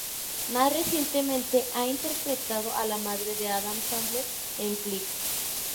Más recientemente, ha interpretado a la madre de Adam Sandler en "Click".